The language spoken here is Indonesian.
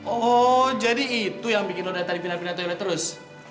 oh jadi itu yang bikin lo datang dipindah pindah toilet terus